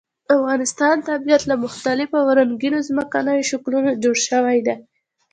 د افغانستان طبیعت له مختلفو او رنګینو ځمکنیو شکلونو جوړ شوی دی.